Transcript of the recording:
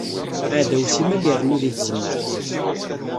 Aɛdaw simmal irennu di tzemmar.